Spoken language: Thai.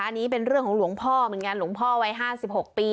อันนี้เป็นเรื่องของหลวงพ่อเหมือนกันหลวงพ่อวัย๕๖ปี